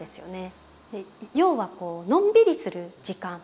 要はのんびりする時間。